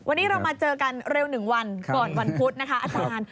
วันนี้เรามาเจอกันเร็ว๑วันก่อนวันพุธนะคะอาจารย์